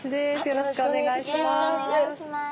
よろしくお願いします。